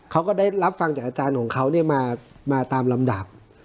เขาก็ได้รับฟังจากอาจารย์ของเขามาตามลำดับ